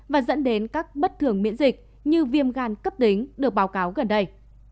và dẫn đến các bất thường miễn dịch như viêm gan cấp đính được báo cáo gần đây